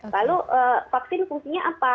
lalu vaksin fungsinya apa